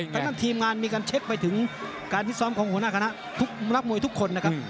ทั้งนั้นทีมงานมีการเช็คไปถึงการพิซ้อมของหัวหน้าคณะรับมวยทุกคนนะครับ